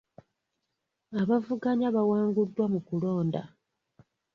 Abavuganya bawanguddwa mu kulonda.